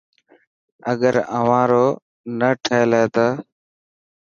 اگر اوهان رون نه ٺهيل هي ته.